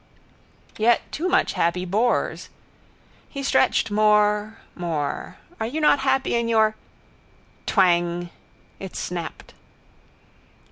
Yet too much happy bores. He stretched more, more. Are you not happy in your? Twang. It snapped.